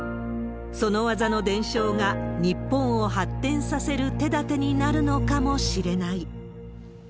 その技の伝承が日本を発展させる手だてになるのかもしれない。